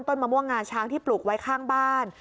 มะม่วงงาช้างที่ปลูกไว้ข้างบ้าน